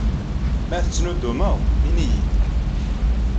Ma tettnuddumeḍ, ini-yi-d.